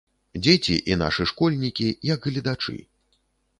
Дзеці, і нашы школьнікі, як гледачы.